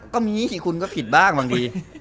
ก็มีสิคุณก็ผิดบ้างบางที